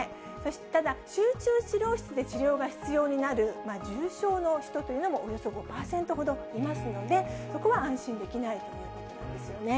ただ、集中治療室で治療が必要になる重症の人というのも、およそ５％ほどいますので、そこは安心できないということなんですよね。